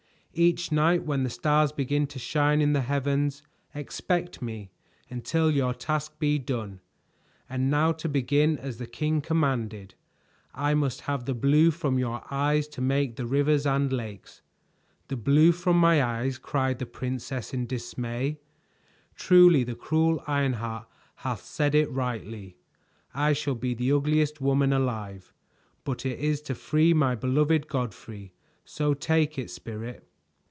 "Each night when the stars begin to shine in the heavens, expect me, until your task be done; and now to begin as the king commanded, I must have the blue from your eyes to make the rivers and lakes." "The blue from my eyes!" cried the princess in dismay. "Truly the cruel Ironheart hath said it rightly. I shall be the ugliest woman alive! But it is to free my beloved Godfrey, so take it, Spirit!"